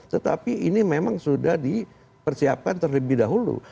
tetapi ini memang sudah dipersiapkan terlebih dahulu